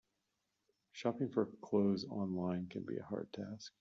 Shopping for clothes online can be a hard task.